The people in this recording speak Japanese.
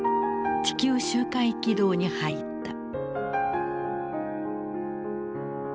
地球周回軌道に入った。